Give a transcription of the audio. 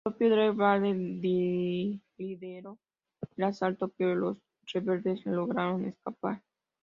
El propio Darth Vader lideró el asalto, pero los rebeldes lograron escapar.